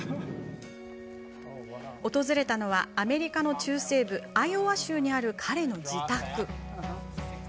訪れたのはアメリカの中西部アイオワ州にある彼の自宅。